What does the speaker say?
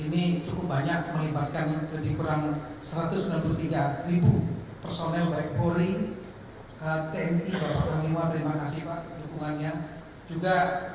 membuatkan lebih kurang satu ratus enam puluh tiga ribu personel baik polri tni bapak bapak bapak terima kasih pak dukungannya